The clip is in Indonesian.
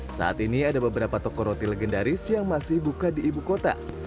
saat ini ada beberapa toko roti legendaris yang masih buka di ibu kota